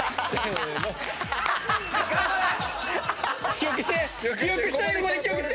記憶して。